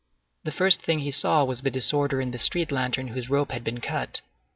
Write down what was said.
The first thing he saw was the disorder in the street lantern whose rope had been cut.